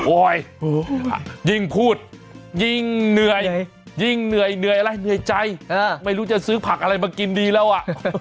ยิ่งพูดยิ่งเหนื่อยยิ่งเหนื่อยเหนื่อยอะไรเหนื่อยใจไม่รู้จะซื้อผักอะไรมากินดีแล้วอ่ะ